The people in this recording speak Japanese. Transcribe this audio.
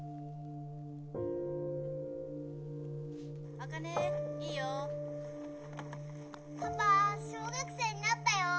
茜いいよパパ小学生になったよ